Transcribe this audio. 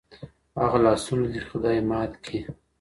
هغه لاسونه دي خدای مات کې